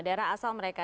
daerah asal mereka